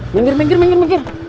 minggir minggir minggir minggir